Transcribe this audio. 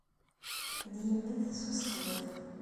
Ad yemmet s useqḍiḍ.